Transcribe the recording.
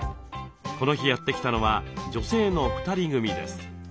この日やって来たのは女性の２人組です。